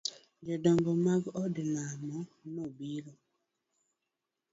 Jodongo mag odlamo no biro.